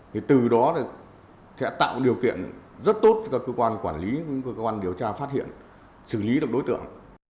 thì từ đó sẽ tạo điều kiện rất tốt cho các cơ quan quản lý cơ quan điều tra phát hiện xử lý được đối tượng